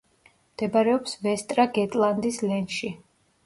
მდებარეობს ვესტრა-გეტლანდის ლენში.